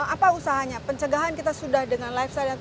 apa usahanya pencegahan kita sudah dengan life science